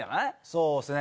そうですね。